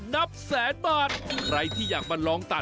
นับแสนบาท